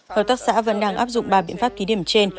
hợp tác xã vẫn đang áp dụng ba biện pháp ký điểm trên